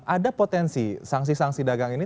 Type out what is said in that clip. ada potensi sangsi sangsi dagang ini